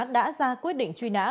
đã ra quyết định truy nã